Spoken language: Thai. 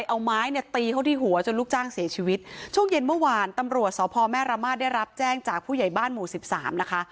เอาไม้เนี่ยตีเขาที่หัวจนลูกจ้างเสียชีวิตช่วงเย็นเมื่อวานตำรวจสพแม่ระมาทได้รับแจ้งจากผู้ใหญ่บ้านหมู่สิบสามนะคะ